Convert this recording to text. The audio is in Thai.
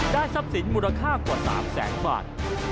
ทรัพย์สินมูลค่ากว่า๓แสนบาท